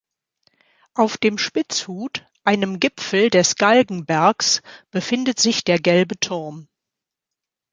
Auf dem Spitzhut, einem Gipfel des Galgenbergs, befindet sich der Gelbe Turm.